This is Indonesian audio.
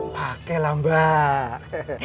pake lah mbak